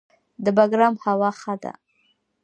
د بګرام هوا ښه ده